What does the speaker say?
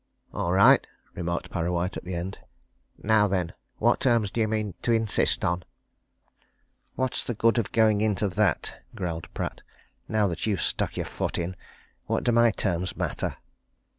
"All right!" remarked Parrawhite at the end, "Now, then, what terms do you mean to insist on?" "What's the good of going into that?" growled Pratt. "Now that you've stuck your foot in it, what do my terms matter?"